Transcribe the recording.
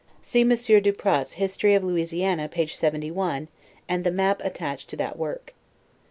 (See Monsieur Dupratz History of Louisiana, page 71, and the Map attached to that work.)